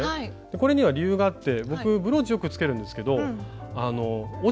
これには理由があって僕ブローチよくつけるんですけどあの落ちちゃうんです。